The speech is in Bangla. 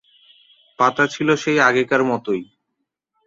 পাতা ছিল সেই আগেকার মতোই।